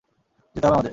যেতে হবে আমাদের।